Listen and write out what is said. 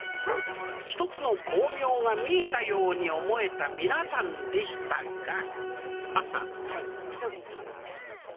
一つの光明が見えたように思えた皆さんでしたがはい急ぐんです。